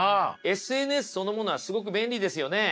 ＳＮＳそのものはすごく便利ですよね。